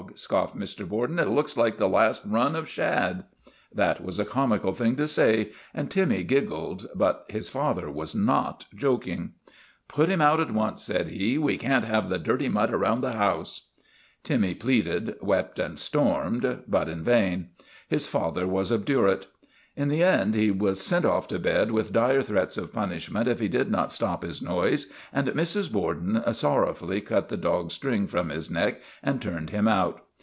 " scoffed Mr. Borden. " It looks like the last run of shad." That was a comical thing to say and Timmy gig gled, but his father was not joking. THE REGENERATION OF TIMMY 199 * Put him out at once," said he. We can't have the dirty mutt around the house." Timmy pleaded, wept, and stormed, but in vain; his father was obdurate. In the end he was sent off to bed with dire threats of punishment if he did not stop his noise, and Mrs. Borden sorrowfully cut the dog's string from his neck and turned him out.